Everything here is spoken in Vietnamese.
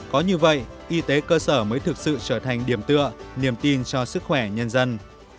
có như vậy y tế cơ sở mới thực sự trở thành điểm tựa niềm tin cho sức khỏe nhân dân